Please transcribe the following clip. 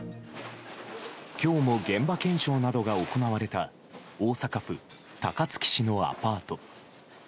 今日も現場検証などが行われた大阪府高槻市のアパート。